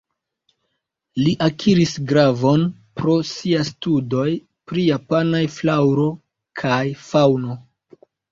Li akiris gravon pro sia studoj pri japanaj flaŭro kaj faŭno.